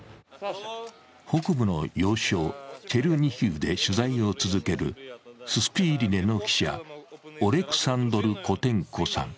北部の要衝チェルニヒウで取材を続けるススピーリネの記者、オレクサンドル・コテンコさん。